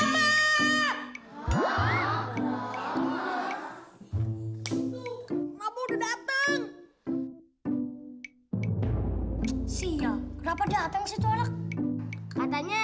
siap rapat datang situ anak katanya